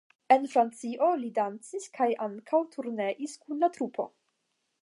En Francio li dancis en kaj ankaŭ turneis kun la trupo.